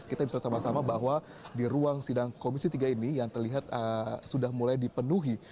kita bisa sama sama bahwa di ruang sidang komisi tiga ini yang terlihat sudah mulai dipenuhi